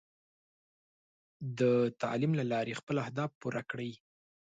د تعلیم له لارې خپل اهداف پوره کړئ.